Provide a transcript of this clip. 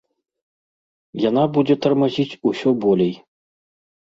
Яна будзе тармазіць усё болей.